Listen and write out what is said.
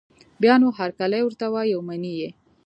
بیا نو هرکلی ورته وايي او مني یې